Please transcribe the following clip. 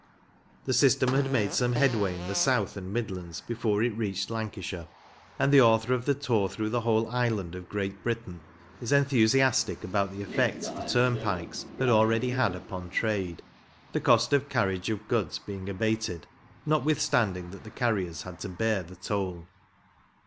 The system had made some headway in the south and Midlands before it reached Lancashire, and the author of the Tour Through the 72 MEMORIALS OF OLD LANCASHIRE Whole Island of Great Britain is enthusiastic about the effect the turnpikes had already had upon trade, the cost of carriage of goods being abated, notwithstanding that the carriers had to bear the toll.